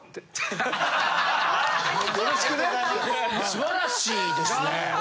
素晴らしいですね。